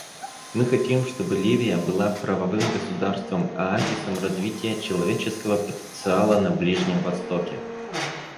Мы хотим, чтобы Ливия была правовым государством, оазисом развития человеческого потенциала на Ближнем Востоке.